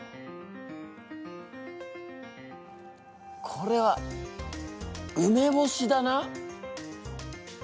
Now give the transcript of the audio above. これは梅干しだな？